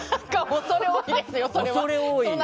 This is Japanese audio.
恐れ多い。